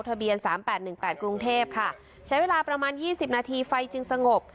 ทะเบียนสามแปดหนึ่งแปดกรุงเทพค่ะใช้เวลาประมาณยี่สิบนาทีไฟจึงสงบ